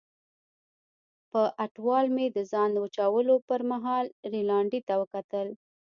په اټوال مې د ځان وچولو پرمهال رینالډي ته وکتل.